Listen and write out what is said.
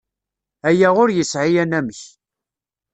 Aya ur yesɛi anamek.